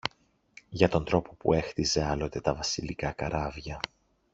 για τον τρόπο που έχτιζε άλλοτε τα βασιλικά καράβια